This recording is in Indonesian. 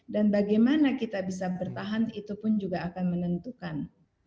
dan bagaimana kita bisa bertahan itu pun juga akan menentukan